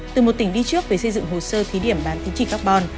từ một tỉnh đi trước về xây dựng hồ sơ thí điểm bán tính trị carbon